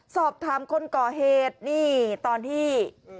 สอบถามคนก่อเหตุนี่ตอนที่